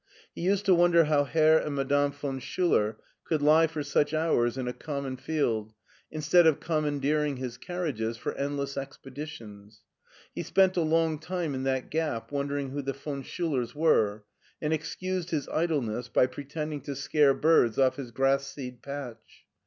He used to wonder how Herr and Madame von Schuler could lie for such hours in a common field instead of commandeering his carriages for end less expeditions. He spent a long time in that gap wondering who the von Schiilers were, and excused his idleness by pretending to scare birds off his grass seed patch.